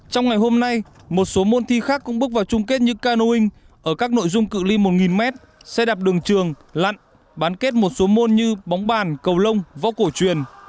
trong ngày hôm nay một số môn thi khác cũng bước vào chung kết như canoing ở các nội dung cự li một m xe đạp đường trường lặn bán kết một số môn như bóng bàn cầu lông võ cổ truyền